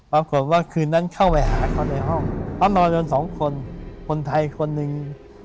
เมื่อคืนนั้นเข้าไปหาเขาในห้องเขานอนกันสองคนคนไทยคนหนึ่ง